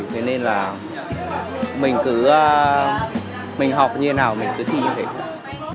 thế nên là mình cứ mình học như thế nào mình cứ thi như thế